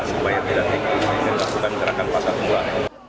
supaya tidak dikunci dengan gerakan pasar murah